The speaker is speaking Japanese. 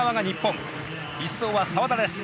１走は澤田です。